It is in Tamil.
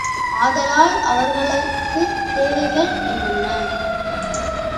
ஆதலால், அவர்களது தேவைகள் என்னென்ன?